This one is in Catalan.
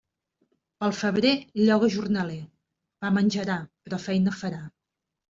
Pel febrer, lloga jornaler; pa menjarà, però feina farà.